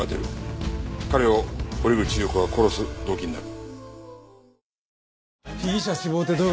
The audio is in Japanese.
彼を堀口裕子が殺す動機になる。